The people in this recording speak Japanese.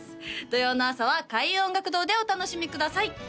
土曜の朝は開運音楽堂でお楽しみください